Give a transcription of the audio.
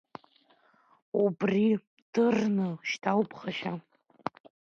Убри дырны шьҭа уԥхашьа!